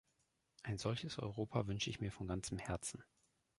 Ein solches Europa wünsche ich mir von ganzem Herzen.